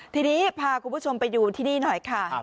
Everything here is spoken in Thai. ทีนี้พาคุณผู้ชมไปอยู่ที่นี่หน่อยค่ะ